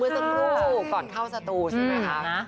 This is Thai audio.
โอ้ยดีใจกับปอยด้วยแล้วเมื่อศัตรูก่อนเข้าศัตรูใช่ไหมคะ